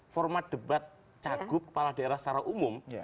format debat cagup kepala daerah secara umum